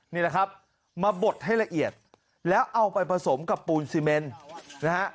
นี่แหละครับมาบดให้ละเอียดแล้วเอาไปผสมกับปูนซีเมนนะฮะ